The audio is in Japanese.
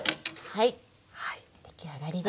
はい出来上がりです。